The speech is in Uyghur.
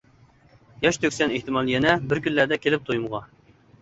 ياش تۆكىسەن ئېھتىمال يەنە، بىر كۈنلەردە كېلىپ تويۇمغا.